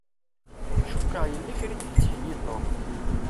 Cukkeɣ yella kra i d-ittheyyi Tom.